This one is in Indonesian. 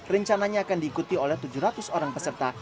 rencananya akan diikuti oleh tujuh ratus orang peserta